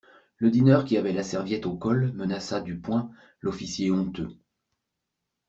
Le dîneur qui avait la serviette au col menaça, du poing, l'officier honteux.